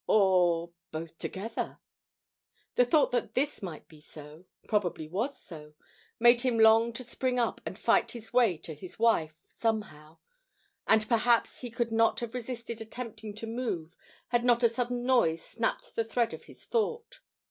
or both together? The thought that this might be so probably was so made him long to spring up and fight his way to his wife, somehow. And perhaps he could not have resisted attempting to move had not a sudden noise snapped the thread of his thought.